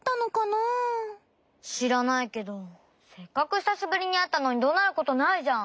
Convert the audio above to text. しらないけどせっかくひさしぶりにあったのにどなることないじゃん！